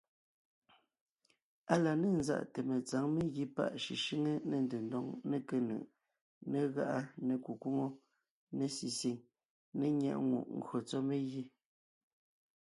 Á la ne ńzáʼte metsǎŋ megǐ páʼ shʉshʉ́ŋe, ne ndedóŋ, ne kénʉʼ, ne gáʼa, ne kukwóŋo, ne sisìŋ ne nyɛ́ʼŋùʼ ngÿo tsɔ́ megǐ.